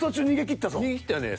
逃げ切ったよね